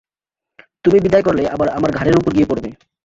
তুমি বিদায় করলে আবার আমার ঘাড়ের উপর গিয়ে পড়বে।